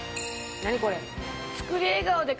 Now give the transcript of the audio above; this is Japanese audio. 何これ。